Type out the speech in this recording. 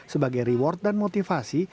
sebagai reward dan motivasi